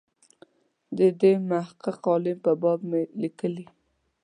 د دې محقق عالم په باب مې لیکلي.